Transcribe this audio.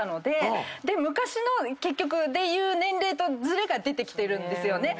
昔のでいう年齢とずれが出てきてるんですよね。